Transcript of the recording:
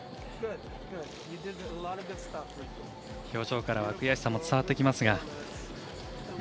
表情からは悔しさも伝わってきますが。